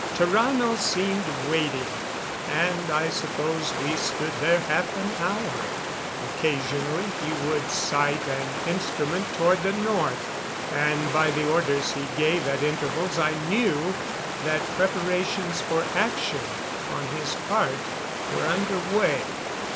Tarrano seemed waiting, and I suppose we stood there half an hour. Occasionally he would sight an instrument toward the north; and by the orders he gave at intervals I knew that preparations for action on his part were under way.